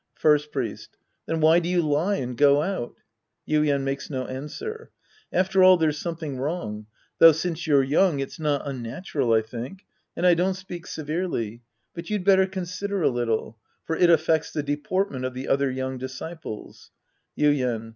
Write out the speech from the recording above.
First Hrest. Then why do you lie and go out ? (Yuien makes no answer.) After all there's some thing wrong. Though, since you're young, it's not unnatural, I think. And I don't speak severely. But you'd better consider a little. For it affects the de portment of the other young disciples. Yuien.